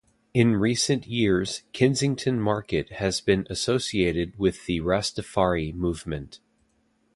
In recent years Kensington Market has been associated with the Rastafari Movement.